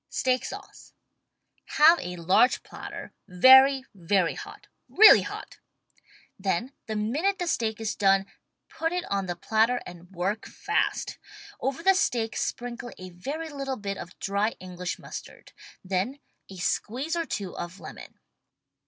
STEAK SAUCE Have a large platter very, very hot — really hot! Then the minute the steak is done, put it on the platter and vi^ork fast. Over the steak sprinkle a very little bit of dry English mustard. Then a squeeze or two of lemon.